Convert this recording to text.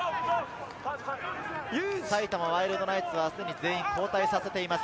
埼玉ワイルドナイツは全員交代させています。